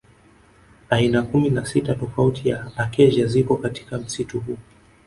Aina kumi na sita tofauti ya Acacia zipo katika msitu huu